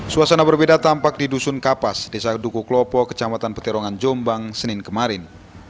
suasana berbeda tampak di dusun kapas desa duku klopo kecamatan peterongan jombang senin kemarin